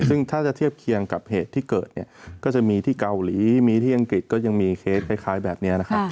ซึ่งถ้าจะเทียบเคียงกับเหตุที่เกิดเนี่ยก็จะมีที่เกาหลีมีที่อังกฤษก็ยังมีเคสคล้ายแบบนี้นะครับ